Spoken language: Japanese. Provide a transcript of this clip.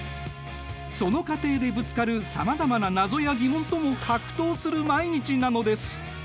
その過程でぶつかるさまざまな謎や疑問とも格闘する毎日なのです。